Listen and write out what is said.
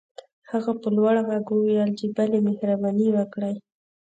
هغه په لوړ غږ وويل چې بلې مهرباني وکړئ.